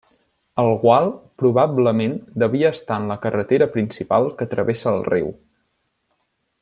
El gual probablement devia estar en la carretera principal que travessa el riu.